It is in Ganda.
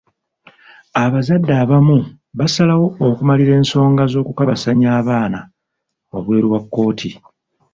Abazadde abamu basalawo okumalira ensonga z'okukabasanya abaana wabweru wa kkooti.